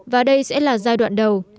và đây sẽ là giai đoạn đầu